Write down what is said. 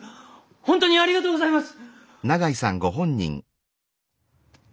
ほんとにありがとうございます！